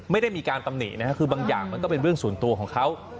ไม่ได้มีการตำหนินะครับคือบางอย่างมันก็เป็นเรื่องส่วนตัวของเขา